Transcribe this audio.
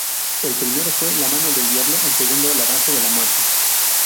El primero fue "La mano del diablo", el segundo "La danza de la muerte".